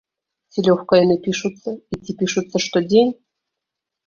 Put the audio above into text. Ці лёгка яны пішуцца, і ці пішуцца штодзень?